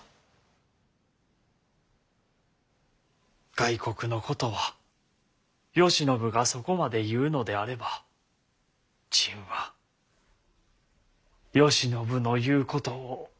外国のことは慶喜がそこまで言うのであれば朕は慶喜の言うことを信じよう。